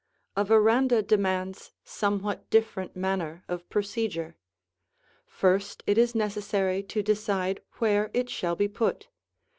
A veranda demands somewhat different manner of procedure. First it is necessary to decide where it shall be put.